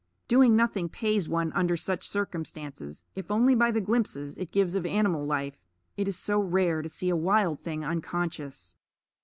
Doing nothing pays one under such circumstances, if only by the glimpses it gives of animal life. It is so rare to see a wild thing unconscious.